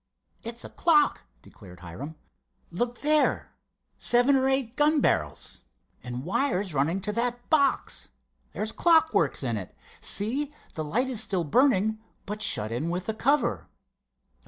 "It's a clock," declared Hiram. "Look there—seven or eight gun barrels. And wires running to that box. There's clock works in it. See, the light is still burning, but shut in with a cover."